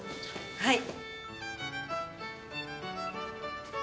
はい。